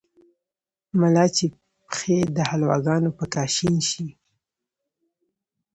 ملا چې پېښ دحلواګانو په کاشين شي